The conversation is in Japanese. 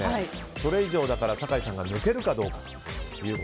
それ以上、酒井さんが抜けるかどうか。